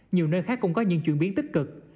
nhiều nơi khác cũng có những chuyển biến tích cực